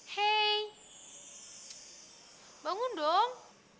hei bangun dong